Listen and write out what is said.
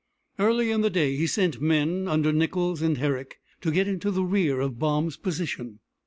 Early in the day he sent men, under Nichols and Herrick, to get into the rear of Baum's position.